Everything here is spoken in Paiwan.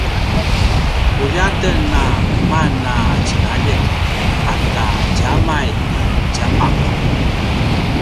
puljaten a keman a tjinaljek ata djamai i tjapaq